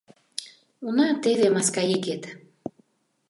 — Уна, теве маска игет